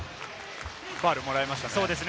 ファウルもらいましたね。